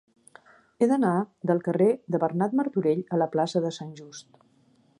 He d'anar del carrer de Bernat Martorell a la plaça de Sant Just.